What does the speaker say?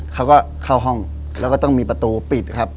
เขาก็เข้าห้องแล้วก็ต้องมีประตูปิดครับ